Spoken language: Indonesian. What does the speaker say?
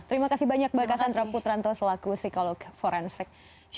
terima kasih banyak mbak cassandra putranto selaku psikolog forensik